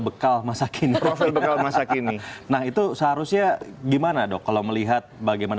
bekal masa kini bekal masa kini nah itu seharusnya gimana dok kalau melihat bagaimana